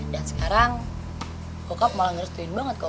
dan sekarang bokap malah ngerestuin banget kok